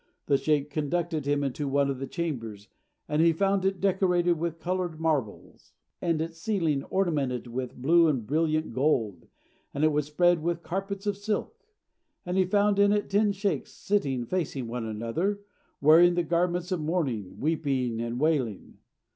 The sheykh conducted him into one of the chambers, and he found it decorated with coloured marbles, and its ceiling ornamented with blue and brilliant gold, and it was spread with carpets of silk; and he found in it ten sheykhs sitting facing one another, wearing the garments of mourning, weeping, and wailing.